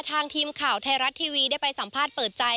ทีมข่าวไทยรัฐทีวีได้ไปสัมภาษณ์เปิดใจ